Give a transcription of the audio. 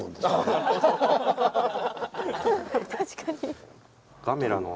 確かに。